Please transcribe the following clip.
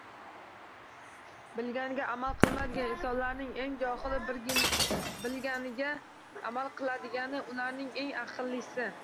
Bilganiga amal qilmaydigan insonlarning eng johili, bilganiga amal qiladigani ularning eng aqllisi